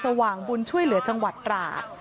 ว่างบุญช่วยเหลือจังหวัดตราด